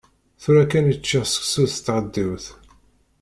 Tura kan i ččiɣ seksu s tɣeddiwt.